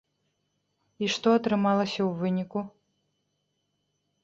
І што атрымалася ў выніку?